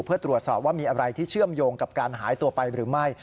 เพื่อตรวจสอบว่ามีอะไรที่เชื่อมโยงกับการหายตัวไปหรือไม่